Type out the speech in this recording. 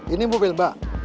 ini mobil mbak